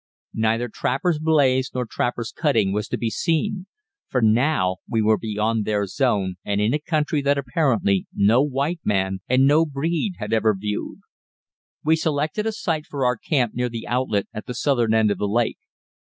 Neither trapper's blaze nor trapper's cutting was to be seen; for now we were beyond their zone and in a country that apparently no white man and no breed had ever viewed. We selected a site for our camp near the outlet at the southern end of the lake.